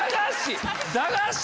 駄菓子。